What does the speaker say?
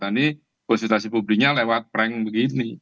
nanti konsultasi publiknya lewat prank begini